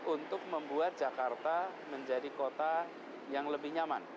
untuk membuat jakarta menjadi kota yang lebih nyaman